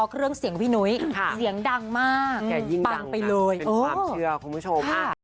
แต่พวกเราจะมาร่วมกันสร้างทำให้โบสถ์หลังนี้เสร็จนะฮะ